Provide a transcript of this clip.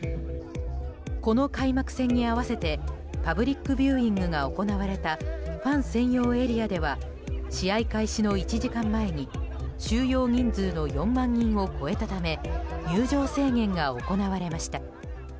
この開幕戦に合わせてパブリックビューイングが行われたファン専用エリアでは試合時間の１時間前に収容人数の４万人を超えたため入場制限が行われました。